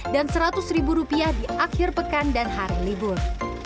dan seratus ribu rupiah di akhir pekan dan hari libur